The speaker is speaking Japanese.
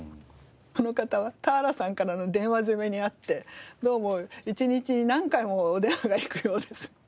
あの方は田原さんからの電話攻めにあってどうも一日に何回もお電話がいくようです。